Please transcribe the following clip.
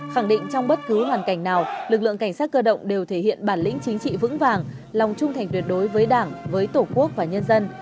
khẳng định trong bất cứ hoàn cảnh nào lực lượng cảnh sát cơ động đều thể hiện bản lĩnh chính trị vững vàng lòng trung thành tuyệt đối với đảng với tổ quốc và nhân dân